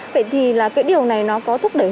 vậy thì là cái điều này nó có thúc đẩy